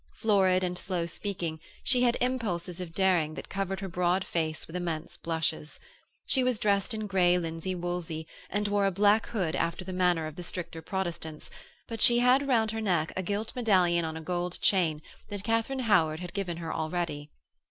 Florid and slow speaking, she had impulses of daring that covered her broad face with immense blushes. She was dressed in grey linsey woolsey, and wore a black hood after the manner of the stricter Protestants, but she had round her neck a gilt medallion on a gold chain that Katharine Howard had given her already.